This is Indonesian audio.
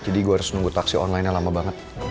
jadi gue harus nunggu taksi online nya lama banget